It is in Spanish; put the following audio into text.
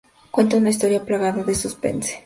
Cuenta una historia plagada de suspense.